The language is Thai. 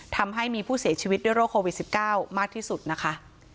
ทำให้มีผู้เสียชีวิตด้วยโรคโควิด๑๙มากที่สุดนะคะ